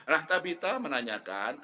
nah tabita menanyakan